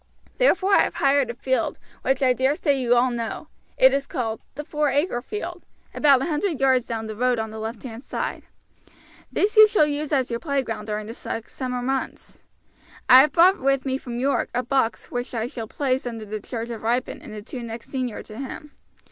Therefore I have hired a field, which I dare say you all know; it is called 'The Four Acre Field,' about a hundred yards down the road on the left hand side. This you will use as your playground during the six summer months. I have brought with me from York a box which I shall place under the charge of Ripon and the two next senior to him.